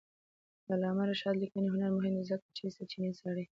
د علامه رشاد لیکنی هنر مهم دی ځکه چې سرچینې څاري.